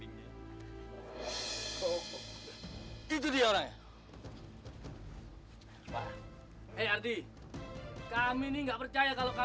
loh d'adi kok di sini toh